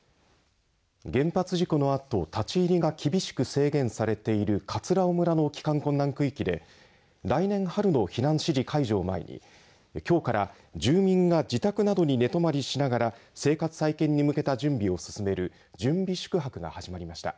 原発事故のあと、立ち入りが厳しく制限されている葛尾村の帰還困難区域で来年春の避難指示解除を前にきょうから住民が自宅などに寝泊まりしながら生活再建に向けた準備を進める準備宿泊が始まりました。